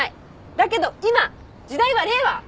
だけど今時代は令和！